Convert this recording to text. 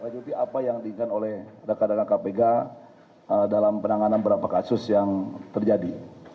dekadangan kpk dalam penanganan beberapa kasus yang terjadi